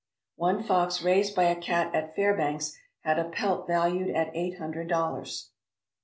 One fox raised by a cat at Fairbanks had a pelt valued at eight hundred dollars.